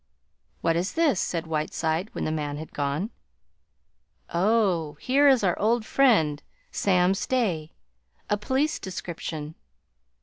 "What is this?" said Whiteside when the man had gone. "Oh, here is our old friend, Sam Stay. A police description."